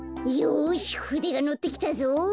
よしふでがのってきたぞ！